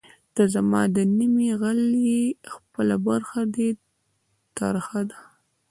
ته زما د نیمې غل ئې خپله برخه دی تر ترخه